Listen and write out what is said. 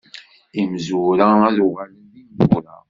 Imezwura ad uɣalen d ineggura.